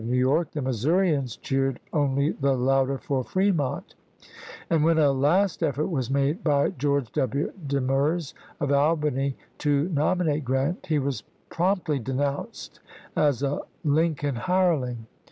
New York, the Missourians cheered only the louder for Fremont ; and when a last effort was made by George W. Demers of Albany to nominate Grant, he was promptly denounced as a Lincoln hireling.